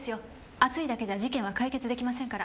熱いだけじゃ事件は解決できませんから。